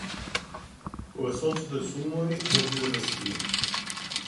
Кога сонцето се умори отиде да спие.